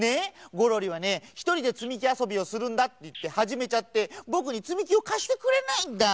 ゴロリはねひとりでつみきあそびをするんだっていってはじめちゃってぼくにつみきをかしてくれないんだ。